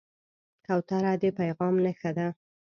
کوتره د پیغام نښه ده.